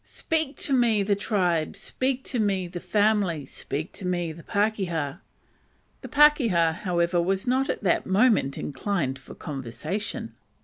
"Speak to me, the tribe! speak to me, the family! speak to me, the pakeha!" The "pakeha," however, was not at the moment inclined for conversation.